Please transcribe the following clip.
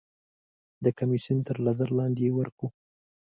د کمیسیون تر نظر لاندې یې ورکوو.